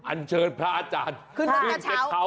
อันเชิญพระอาจารย์ขึ้นเท้าเลยค่ะ